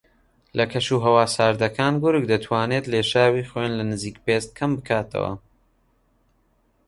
لە کەش و ھەوا ساردەکان گورگ دەتوانێت لێشاوی خوێن لە نزیک پێست کەم بکاتەوە